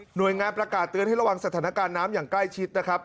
โดยงานประกาศเตือนให้ระวังสถานการณ์น้ำอย่างใกล้ชิดนะครับ